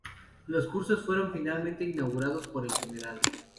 Los cursos fueron finalmente inaugurados por el Gral.